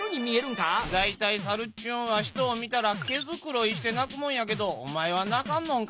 「だいたいさるっちゅうんは人を見たら毛づくろいして鳴くもんやけどおまえは鳴かんのんか？」。